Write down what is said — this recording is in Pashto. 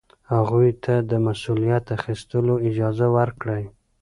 هغوی ته د مسؤلیت اخیستلو اجازه ورکړئ.